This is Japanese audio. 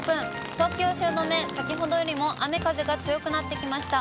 東京・汐留、先ほどよりも雨風が強くなってきました。